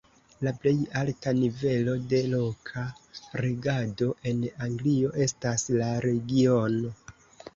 La plej alta nivelo de loka regado en Anglio estas la regiono.